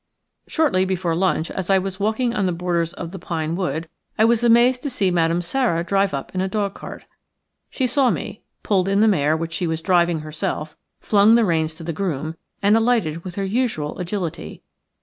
Shortly before lunch, as I was walking on the borders of the pine wood, I was amazed to see Madame Sara drive up in a dog cart. She saw me, pulled in the mare which she was driving herself, flung the reins to the groom, and alighted with her usual agility.